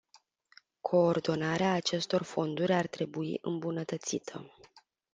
Coordonarea acestor fonduri ar trebui îmbunătățită.